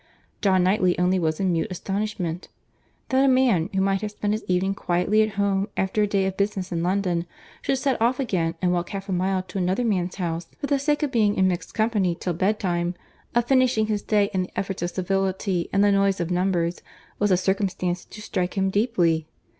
John Knightley only was in mute astonishment.—That a man who might have spent his evening quietly at home after a day of business in London, should set off again, and walk half a mile to another man's house, for the sake of being in mixed company till bed time, of finishing his day in the efforts of civility and the noise of numbers, was a circumstance to strike him deeply.